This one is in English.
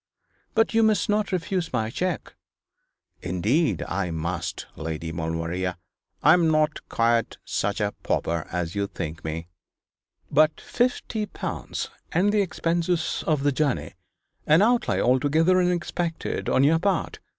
'But you must not refuse my cheque.' 'Indeed I must, Lady Maulevrier. I am not quite such a pauper as you think me.' 'But fifty pounds and the expenses of the journey; an outlay altogether unexpected on your part.